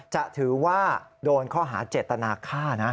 จะถือว่าโดนข้อหาเจตนาฆ่านะ